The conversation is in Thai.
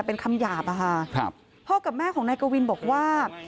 แต่เป็นคำหยาบพ่อกับแม่ของนายกวินบอกว่า